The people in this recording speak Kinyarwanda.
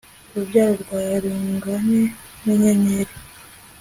urubyaro rwawe rungane n inyenyeri